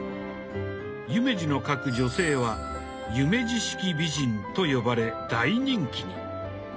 夢二の描く女性は「夢二式美人」と呼ばれ大人気に。